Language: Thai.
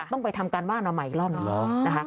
ต้องไปทำการว่านครับอีกรอบหน่อย